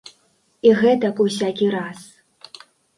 І гэтак усякі раз.